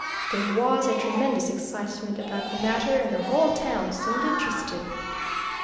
There was a tremendous excitement about the matter, and the whole town seemed interested.